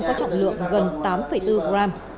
có trọng lượng gần tám bốn gram